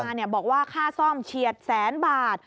ข่าวออกมาบอกว่าค่าซ่อมเฉียดแสนบาท